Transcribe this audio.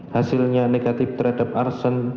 hasilnya negatif terhadap arsen